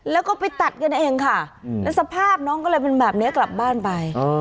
แล้วก็ไปตัดกันเองค่ะแล้วสภาพน้องก็เลยเป็นแบบนี้กลับบ้านไป